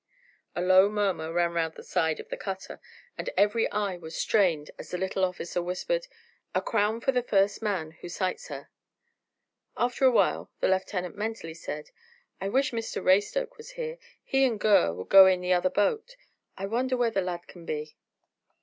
A low murmur ran round the side of the cutter, and every eye was strained as the little officer whispered, "A crown for the first man who sights her." After a while, the lieutenant mentally said, "I wish Mr Raystoke was here, he and Gurr could go in the other boat. I wonder where the lad can be!"